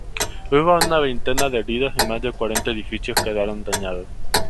Hubo una veintena de heridos y más de cuarenta edificios quedaron dañados.